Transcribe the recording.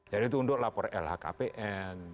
jadi tunduk lapor lhkpn